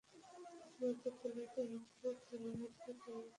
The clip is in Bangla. তাঁর মতে, পুলিশ আন্তরিক হলে হত্যাকাণ্ডগুলোর সঙ্গে জড়িত ব্যক্তিদের ধরতে পারত।